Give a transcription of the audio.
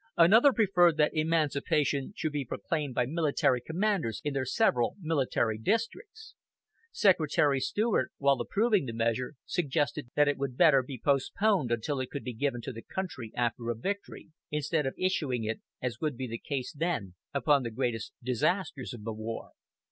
Another preferred that emancipation should be proclaimed by military commanders in their several military districts. Secretary Seward, while approving the measure, suggested that it would better be postponed until it could be given to the country after a victory, instead of issuing it, as would be the case then, upon the greatest disasters of the war.